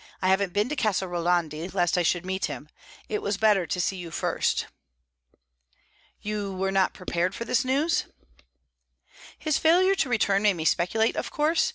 I haven't been to Casa Rolandi, lest I should meet him. It was better to see you first." "You were not prepared for this news?" "His failure to return made me speculate, of course.